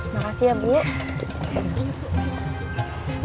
makasih ambil pekerjaan